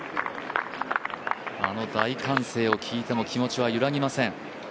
あの大歓声を聞いても気持ちは揺らぎません。